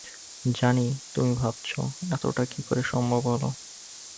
জানি তুমি ভাবছ, এতটা কী করে সম্ভব হল।